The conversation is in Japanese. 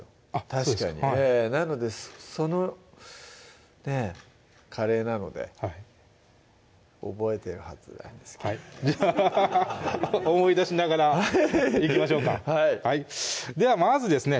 確かになのでそのねぇカレーなので覚えてるはずなんですけどね思い出しながらいきましょうかはいではまずですね